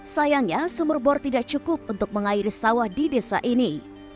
sayangnya sumur bor tidak cukup untuk mengairi sawah di desa ini